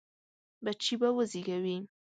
بچي به وزېږوي.